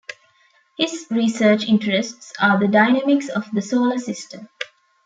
His research interests are the dynamics of the Solar System.